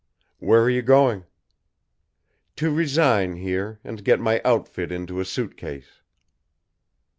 "Where are you going?" "To resign here, and get my outfit into a suitcase."